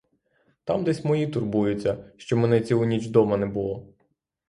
Там десь мої турбуються, що мене цілу ніч дома не було.